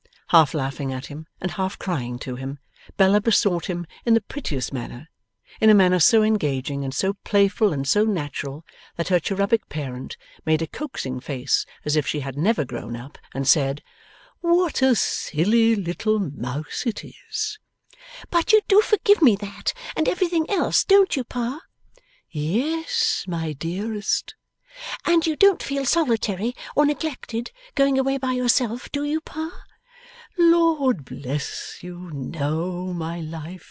Half laughing at him and half crying to him, Bella besought him in the prettiest manner; in a manner so engaging and so playful and so natural, that her cherubic parent made a coaxing face as if she had never grown up, and said, 'What a silly little Mouse it is!' 'But you do forgive me that, and everything else; don't you, Pa?' 'Yes, my dearest.' 'And you don't feel solitary or neglected, going away by yourself; do you, Pa?